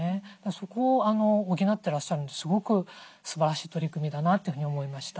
そこを補ってらっしゃるのですごくすばらしい取り組みだなというふうに思いました。